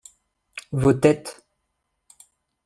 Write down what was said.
Vos têtes.